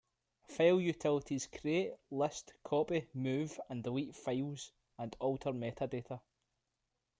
File utilities create, list, copy, move and delete files, and alter metadata.